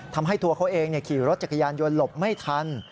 ทำให้ตัวเขาเองขี่รถจักรยานยนต์หลบไม่ทัน